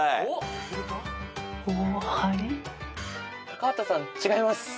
高畑さん違います。